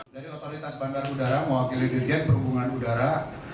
dari otoritas bandar udara mewakili dirjen perhubungan udara